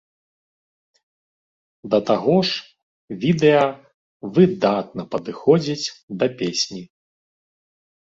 Да таго ж відэа выдатна падыходзіць да песні.